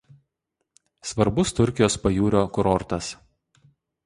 Svarbus Turkijos pajūrio kurortas.